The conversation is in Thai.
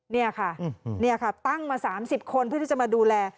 นี่ค่ะนี่ค่ะตั้งมา๓๐คนเพื่อที่จะมาดูแล